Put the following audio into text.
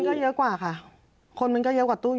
คนมันก็เยอะกว่าค่ะคนมันก็เยอะกว่าตู้อยู่แล้ว